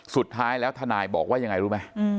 สุดท้ายแล้วทนายบอกว่ายังไงรู้ไหม